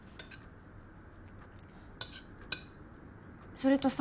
それとさ。